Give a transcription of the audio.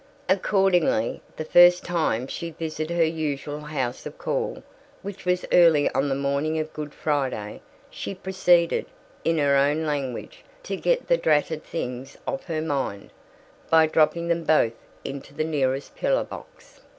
Accordingly, the first time she visited her usual house of call, which was early on the morning of Good Friday, she proceeded, in her own language, to "get the dratted things off her mind" by dropping them both into the nearest pillar box.